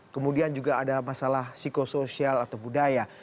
kemudian juga ada masalah psikosoial atau budaya